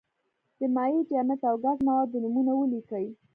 د مایع، جامد او ګاز موادو نومونه ولیکئ.